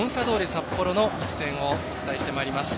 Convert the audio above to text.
札幌の一戦をお伝えしてまいります。